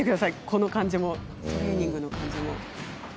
このトレーニングの感じも。